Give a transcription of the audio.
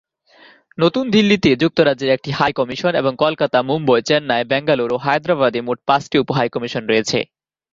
নতুন দিল্লিতে যুক্তরাজ্যের একটি হাই কমিশন এবং কলকাতা, মুম্বই, চেন্নাই, ব্যাঙ্গালোর ও হায়দরাবাদে মোট পাঁচটি উপ হাই কমিশন রয়েছে।